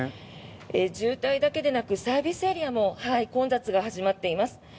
渋滞だけでなくサービスエリアも混雑が始まっています。